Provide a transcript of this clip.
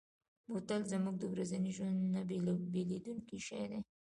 بوتل زموږ د ورځني ژوند نه بېلېدونکی شی دی.